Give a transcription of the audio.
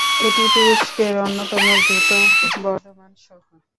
এটি তুরস্কের অন্যতম দ্রুত বর্ধমান শহর।